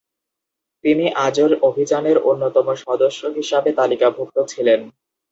তিনি আজোর অভিযানের অন্যতম সদস্য হিসাবে তালিকাভুক্ত ছিলেন।